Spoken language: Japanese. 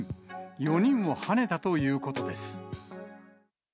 ４人をはねたということです。